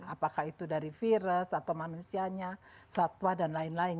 apakah itu dari virus atau manusianya satwa dan lain lain